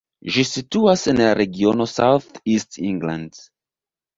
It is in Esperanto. Ĝi situas en la regiono South East England.